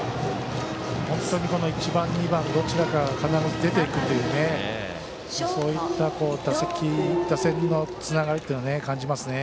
本当に、この１番、２番どちらかが必ず出て行くというそういった打線のつながりというのを感じますね。